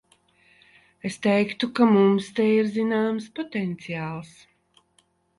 Es teiktu, ka mums te ir zināms potenciāls.